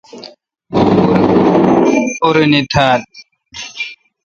اورنی تھال۔